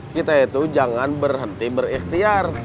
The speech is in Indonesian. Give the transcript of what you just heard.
kita itu jangan berhenti berikhtiar